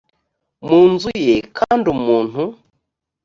mu nzu ye kandi umuntu